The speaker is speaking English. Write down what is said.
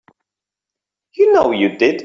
You know you did.